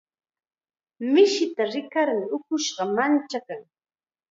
Mishita rikarmi ukushqa manchakan.